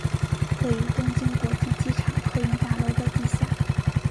位于东京国际机场客运大楼的地下。